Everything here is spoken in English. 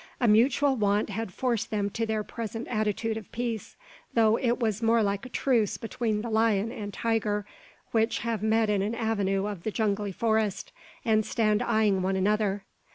A mutual want had forced them to their present attitude of peace, though it was more like a truce between the lion and tiger which have met in an avenue of the jungly forest, and stand eyeing one another.